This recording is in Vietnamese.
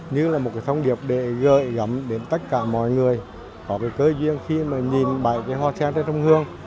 như là một thông điệp để gợi gắm đến tất cả mọi người có cơ duyên khi nhìn bầy hoa sen trên sông hương